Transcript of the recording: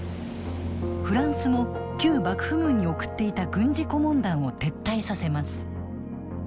フランスも旧幕府軍に送っていた軍事顧問団を撤退させます。